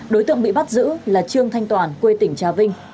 đối tượng bị bắt giữ là trương thanh toàn quê tỉnh trà vinh